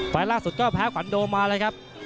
ล่าสุดก็แพ้ขวัญโดมาเลยครับ